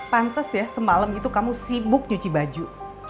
pantes ya semalam itu kamu sibuk cuci baju